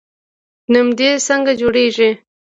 نمدې څنګه جوړیږي؟